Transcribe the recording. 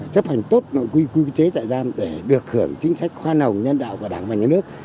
chấp hành tốt nội quy quy chế tại giam để được hưởng chính sách khoan hồng nhân đạo của đảng và nhà nước